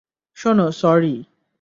শোন, সরি!